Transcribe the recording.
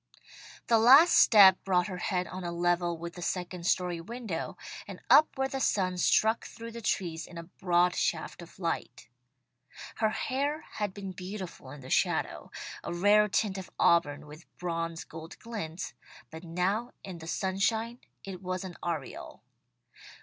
"] The last step brought her head on a level with the second story window, and up where the sun struck through the trees in a broad shaft of light. Her hair had been beautiful in the shadow; a rare tint of auburn with bronze gold glints, but now in the sunshine it was an aureole.